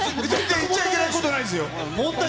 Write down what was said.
言っちゃいけないことないで問題ない。